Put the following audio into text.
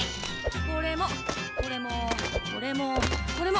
これもこれもこれもこれも。